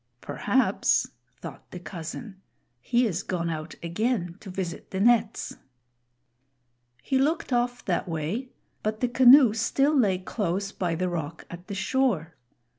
"Perhaps," thought the cousin, "he is gone out again to visit the nets." He looked off that way, but the canoe still lay close by the rock at the shore.